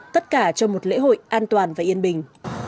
tất cả cho một lễ hội an toàn và yên bình